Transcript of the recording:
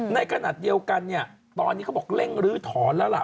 ในขณะเดียวกันเนี่ยตอนนี้เขาบอกเร่งลื้อถอนแล้วล่ะ